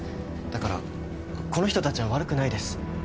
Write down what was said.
だからこの人たちは悪くないです。